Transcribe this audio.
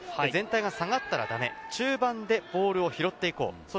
全体が下がったらダメ、中盤でボールを拾っていこう。